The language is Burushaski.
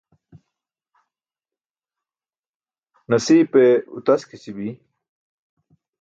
Nasiipe utaskici̇bi.